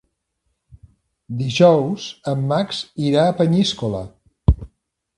Dijous en Max irà a Peníscola.